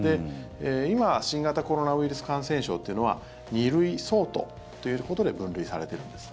今、新型コロナウイルス感染症っていうのは２類相当ということで分類されているんです。